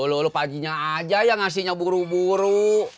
lo lo pak haji nya aja yang ngasihnya buru buru